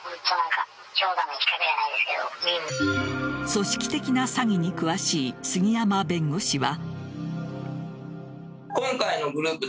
組織的な詐欺に詳しい杉山弁護士は。